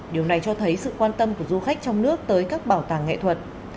điều này cho thấy sự quan tâm của du khách trong nước tới các bảo tàng nghệ thuật